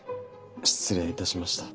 失礼いたしました。